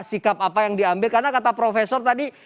sikap apa yang diambil karena kata profesor tadi